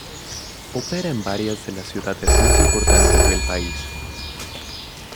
Opera en varias de las ciudades más importantes del país.